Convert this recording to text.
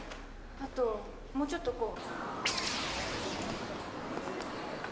あともうちょっとこう。